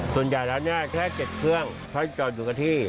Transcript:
ส่วนใหญ่ร้านนี้แค่๗เครื่องให้จอดอยู่กับที่